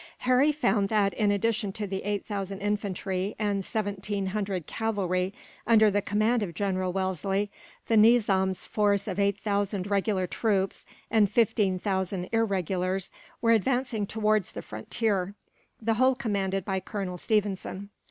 Harry found that, in addition to the eight thousand infantry and seventeen hundred cavalry, under the command of General Wellesley, the Nizam's force of eight thousand regular troops and fifteen thousand irregulars were advancing towards the frontier, the whole commanded by Colonel Stephenson.